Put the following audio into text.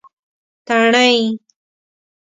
تڼۍ